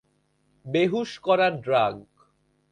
বেহুশ করার ড্রাগ।